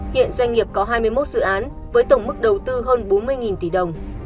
hiện doanh nghiệp có hai mươi một dự án với tổng mức đầu tư hơn bốn mươi tỷ đồng